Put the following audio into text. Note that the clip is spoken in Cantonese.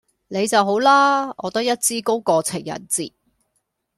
你就好啦！我得一支公過情人節